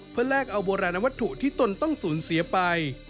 เพื่อแลกเอาโบราณวัตถุที่ตนต้องสูญเสียไป